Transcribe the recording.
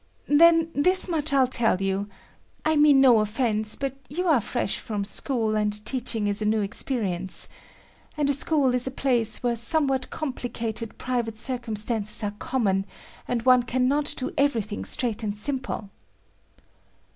Then this much I'll tell you. I mean no offense, but you are fresh from school, and teaching is a new experience. And a school is a place where somewhat complicated private circumstances are common and one cannot do everything straight and simple."